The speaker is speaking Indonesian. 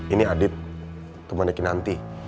ini adit teman deki nanti